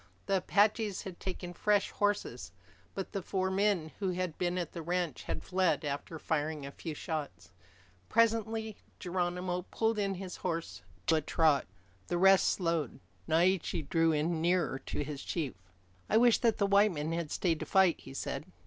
The Apaches had taken fresh horses. But the four men who had been at the ranch had fled after firing a few shots. Presently Geronimo pulled in his horse to a trot. The rest slowed. Naiche drew in nearer to his chief. "I wish that the white men had stayed to fight," he said.